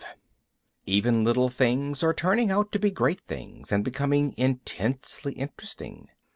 V Even little things are turning out to be great things and becoming intensely interesting.